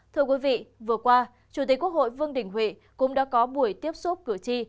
thưa quý vị vừa qua chủ tịch quốc hội vương đình huệ cũng đã có buổi tiếp xúc cử tri